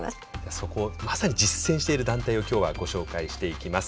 そこをまさに実践している団体を今日はご紹介していきます。